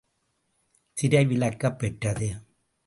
திரை விலக்கப் பெற்றது.